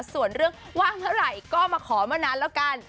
ส่วนเรื่องว่างเมื่อไหร่ก็มาขอมานานแล้วกัน